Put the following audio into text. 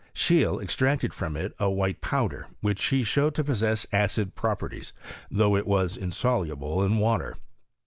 Scheele extracted from it a white powder, which he showed to possess acid properties, though it was insoluble in water.